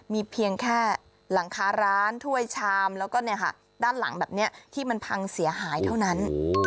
มีเพียงแค่หลังคาร้านถ้วยชามแล้วก็ด้านหลังแบบนี้ที่มันพังเสียหายเท่านั้น